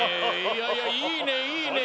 いやいやいいねいいね。